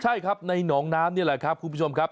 ใช่ครับในหนองน้ำนี่แหละครับคุณผู้ชมครับ